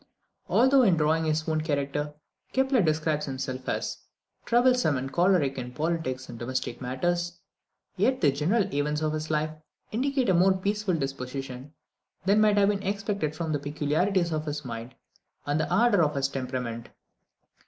Although, in drawing his own character, Kepler describes himself as "troublesome and choleric in politics and domestic matters," yet the general events of his life indicate a more peaceful disposition than might have been expected from the peculiarities of his mind and the ardour of his temperament.